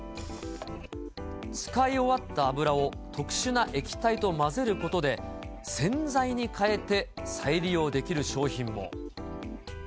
使い終わった油を特殊な液体と混ぜることで、洗剤にかえて再利用できる商品も。